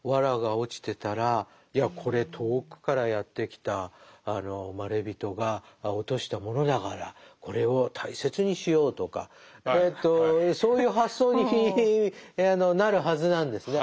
藁が落ちてたらいやこれ遠くからやって来たまれびとが落としたものだからこれを大切にしようとかそういう発想になるはずなんですね。